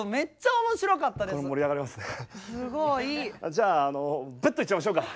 じゃあベッドいっちゃいましょうか。